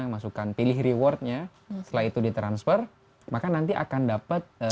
masukkan pilih rewardnya setelah itu di transfer maka nanti akan dapat sms